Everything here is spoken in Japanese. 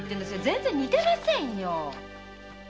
全然似てませんよ。